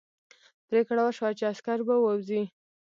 پرېکړه وشوه چې عسکر به ووځي.